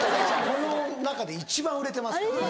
この中で一番売れてますからね